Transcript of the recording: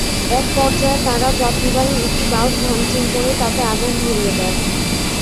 একপর্যায়ে তাঁরা যাত্রীবাহী একটি বাস ভাঙচুর করে তাতে আগুন ধরিয়ে দেন।